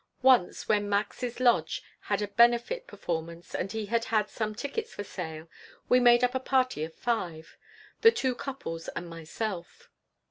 Once, when Max's lodge had a benefit performance and he had had some tickets for sale, we made up a party of five: the two couples and myself.